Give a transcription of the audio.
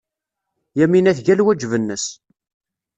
Yamina tga lwajeb-nnes.